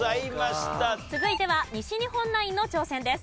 続いては西日本ナインの挑戦です。